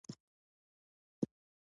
شاوخوا يې سترګې واړولې.